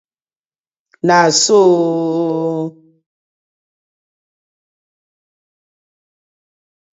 Na so ooo!